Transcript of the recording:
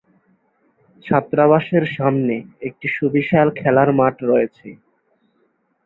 ছাত্রাবাসের সামনে একটি সুবিশাল খেলার মাঠ রয়েছে।